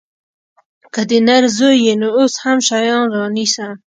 که د نر زوى يې نو اوس هم شيان رانيسه.